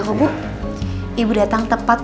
gro leather di beberapa dokterfree data